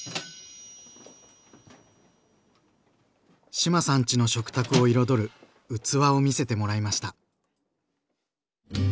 志麻さんちの食卓を彩る器を見せてもらいました。